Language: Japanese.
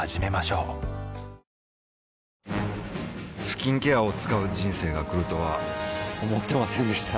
スキンケアを使う人生が来るとは思ってませんでした